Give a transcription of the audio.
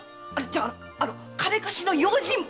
じゃあ金貸しの用心棒！